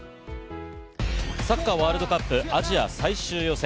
サッカーワールドカップアジア最終予選。